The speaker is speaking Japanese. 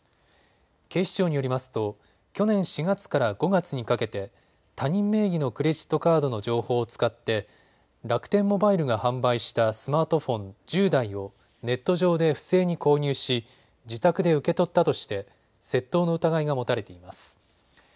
警視庁によりますと去年４月から５月にかけて他人名義のクレジットカードの情報を使って楽天モバイルが販売したスマートフォン１０台をネット上で不正に購入し自宅で受け取ったとして窃盗の疑いが持たれています。